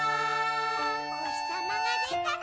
「おひさまがでたら」